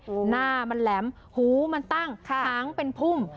หน้ามันแหลมหูมันตั้งหางเป็นพุ่ม